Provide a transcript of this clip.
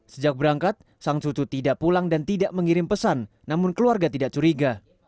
sejak berangkat sang cucu tidak pulang dan tidak mengirim pesan namun keluarga tidak curiga